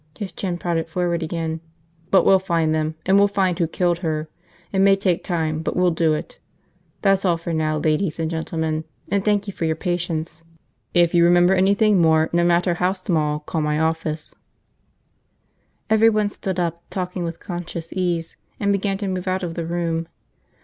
His chin prodded forward again. "But we'll find them, and we'll find who killed her. It may take time but we'll do it. That's all for now, ladies and gentlemen, and thank you for your patience. If you remember anything more, no matter how small, call my office." Everyone stood up, talking with conscious ease, and began to move out of the room.